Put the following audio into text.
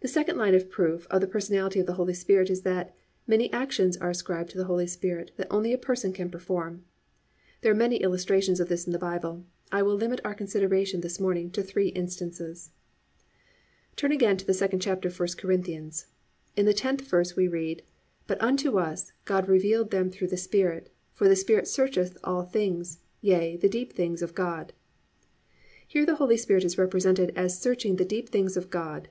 2. The second line of proof of the personality of the Holy Spirit is that, many actions are ascribed to the Holy Spirit that only a person can perform. There are many illustrations of this in the Bible; but I will limit our consideration this morning to three instances. (1) Turn again to the 2nd chapter of 1 Corinthians. In the 10th verse, we read, +"But unto us, God revealed them through the Spirit: for the Spirit searcheth all things, yea, the deep things of God."+ Here the Holy Spirit is represented as searching the deep things of God.